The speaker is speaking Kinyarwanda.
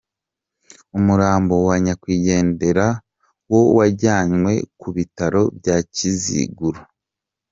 Umurambo wa nyakwigendera wo wajyanywe ku bitaro bya Kiziguro.